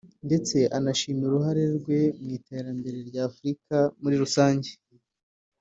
ndetse anashima uruhare rwe mu iterambere ry’Afurika muri rusange